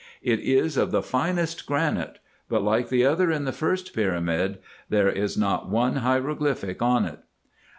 It is of the finest granite ; but, like the other in the first pyramid, there is not one hieroglyphic on it.